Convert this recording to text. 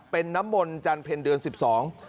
เป็นน้ำมนต์จันเพลเดือน๑๒